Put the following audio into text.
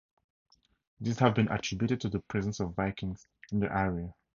These have been attributed to the presence of Vikings in the area.